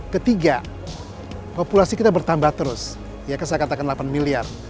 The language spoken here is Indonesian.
ketiga populasi kita bertambah terus ya kan saya katakan delapan miliar